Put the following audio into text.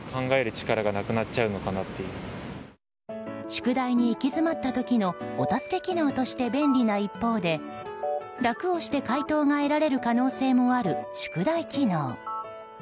宿題に行き詰まった時のお助け機能として便利な一方で楽をして解答を得られる可能性もある、宿題機能。